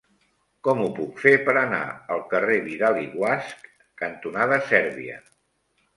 Com ho puc fer per anar al carrer Vidal i Guasch cantonada Sèrbia?